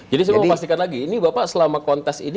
jadi saya mau pastikan lagi ini bapak selama kontes ini